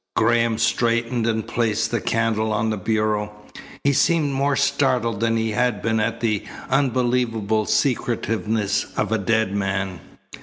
Graham straightened and placed the candle on the bureau. He seemed more startled than he had been at the unbelievable secretiveness of a dead man.